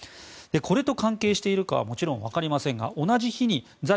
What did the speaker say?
これと関係しているかはもちろんわかりませんが同じ日に在